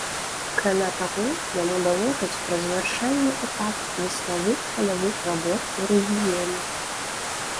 Акрамя таго, яму даложаць пра завяршальны этап веснавых палявых работ у рэгіёне.